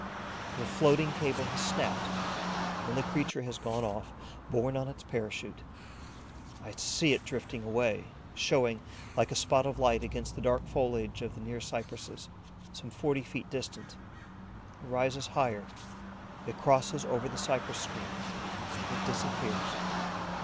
The floating cable has snapped and the creature has gone off, borne on its parachute. I see it drifting away, showing, like a spot of light, against the dark foliage of the near cypresses, some forty feet distant. It rises higher, it crosses over the cypress screen, it disappears.